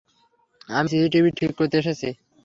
আমি সিসিটিভি ঠিক করতে এসেছি।